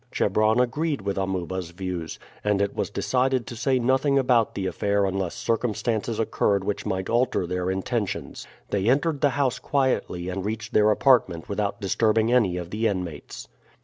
Chebron agreed with Amuba's views, and it was decided to say nothing about the affair unless circumstances occurred which might alter their intentions. They entered the house quietly and reached their apartment without disturbing any of the inmates.